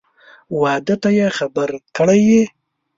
واده ته یې خبر کړی یې؟